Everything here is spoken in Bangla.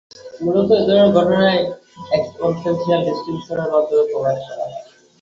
মূলত এধরনের ঘটনাই এক্সপোনেনশিয়াল ডিস্ট্রিবিউশনের মাধ্যমে প্রকাশ করা হয়।